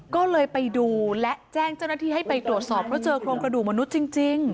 ก็เลยไปดูและแจ้งเจ้าหน้าที่ให้ไปตรวจสอบเพราะเจอโครงกระดูกมนุษย์จริง